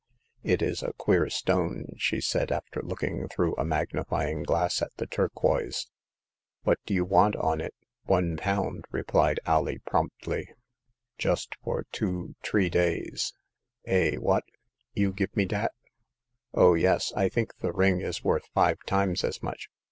It is a queer stone," she said, after looking through a magnifying glass at the turquoise. What do you want on it ?"*' One pound," replied X\^^, ^tom^tlY \" just The Tenth Customer. 253 for two — tree days. Eh, what ! you give me dat r Oh, yes ; I think the ring is worth five times as much.